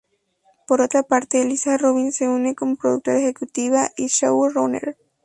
Por otra parte, Lisa Rubin se une como productora ejecutiva y show-runner.